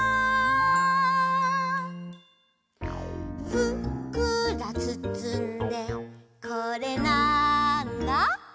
「ふっくらつつんでこれなんだ？」